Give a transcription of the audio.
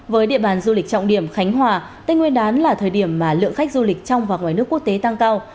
với địa bàn du lịch trọng điểm khánh hòa tây nguyên đán là thời điểm mà lượng khách du lịch trong và ngoài nước quốc tế tăng cao